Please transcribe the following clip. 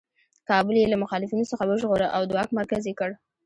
کابل یې له مخالفینو څخه وژغوره او د واک مرکز یې کړ.